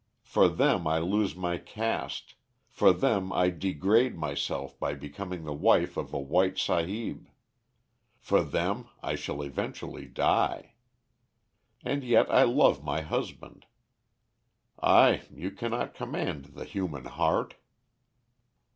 For them I lose my caste, for them I degrade myself by becoming the wife of a white sahib, for them I shall eventually die. And yet I love my husband. Ay, you cannot command the human heart.'